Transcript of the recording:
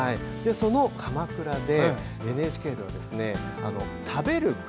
その鎌倉で、ＮＨＫでは「食べる！